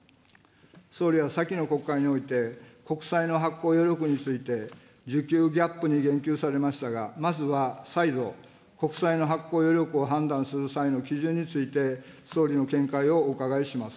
総理は先の国会において、国債の発行余力について、需給ギャップに言及されましたが、まずは再度、国債の発行余力を判断する際の基準について、総理の見解をお伺いします。